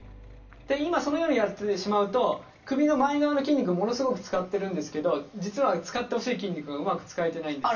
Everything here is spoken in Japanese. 今そのようにやってしまうと首の前側の筋肉ものすごく使ってるんですけど実は使ってほしい筋肉がうまく使えてないんです。